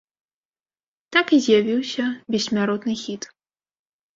Так і з'явіўся бессмяротны хіт.